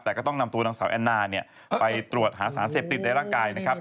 แต่ก็ต้องนำตัวนางสาวแอนนาไปตรวจหาสารเสพติดในร่างกายนะครับ